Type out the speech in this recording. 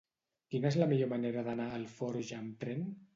Quina és la millor manera d'anar a Alforja amb tren?